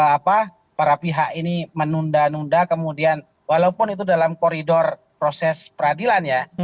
apa para pihak ini menunda nunda kemudian walaupun itu dalam koridor proses peradilan ya